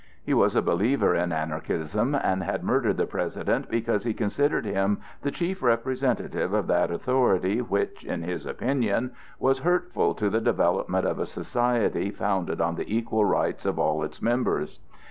He was a believer in Anarchism and had murdered the President because he considered him the chief representative of that authority which, in his opinion, was hurtful to the development of a society founded on the equal rights of all its members.